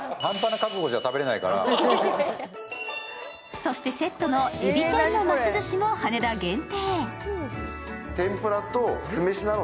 そしてセットの海老天の枡寿司も羽田限定。